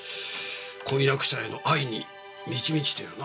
婚約者への愛に満ち満ちてるな。